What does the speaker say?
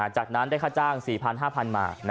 จากนั้นได้ค่าจ้าง๔๐๐๕๐๐บาท